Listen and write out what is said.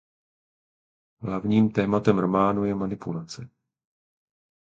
Hlavním tématem románu je manipulace.